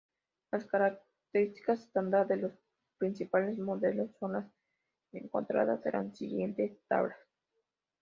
Las características estándar de los principales modelos son las encontradas en la siguiente tabla.